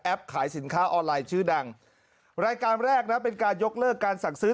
ขายสินค้าออนไลน์ชื่อดังรายการแรกนะเป็นการยกเลิกการสั่งซื้อ